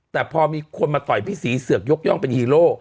แต่พอมีคนมาต่อยพี่ศรีเสือกยกย่องเป็นฮีโร่